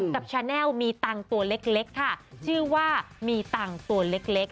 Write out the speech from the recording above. ชาแนลมีตังค์ตัวเล็กค่ะชื่อว่ามีตังค์ตัวเล็ก